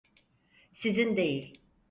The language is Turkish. Sizin değil.